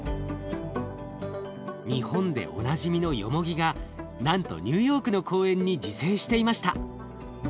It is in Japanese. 日本でおなじみのよもぎがなんとニューヨークの公園に自生していました。